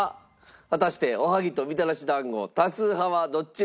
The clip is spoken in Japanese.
果たしておはぎとみたらし団子多数派はどちらなんでしょうか？